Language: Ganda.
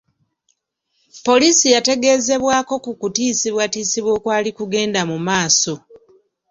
Poliisi yategeezebwako ku kutiisibwatiisibwa okwali kugenda mu maaso.